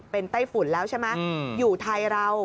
เป็นไต้ฝุ่นแล้วใช่ไหมอยู่ไทยเรา